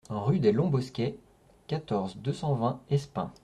Rue des Longs Bosquets, quatorze, deux cent vingt Espins